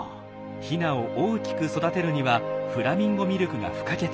ヒナを大きく育てるにはフラミンゴミルクが不可欠。